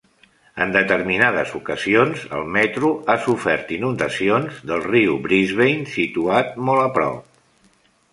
En determinades ocasions, el metro ha sofert inundacions del riu Brisbane, situat molt a prop.